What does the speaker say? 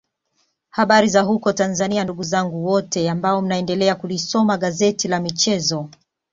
Habari za huko Tanzania ndugu zangu wote ambao mnaendelea kulisoma gazeti la michezo